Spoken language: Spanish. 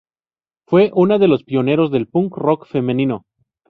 Fue una de los pioneros del Punk Rock femenino.